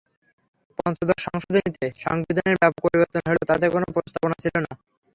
পঞ্চদশ সংশোধনীতে সংবিধানের ব্যাপক পরিবর্তন হলেও তাতে কোনো প্রস্তাবনা ছিল না।